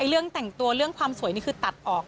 เรื่องแต่งตัวเรื่องความสวยนี่คือตัดออก